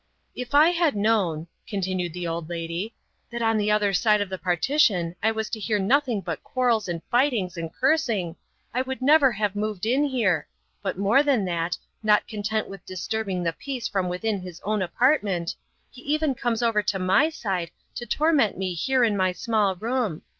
"It I had known," continued the old lady, "that on the other side of the partition I was to hear nothing but quarrels and fightings and cursing, I would never have moved in here, but more that that, not content with disturbing the peace from within his own apartment, he even comes over to my side to torment me here in my small room.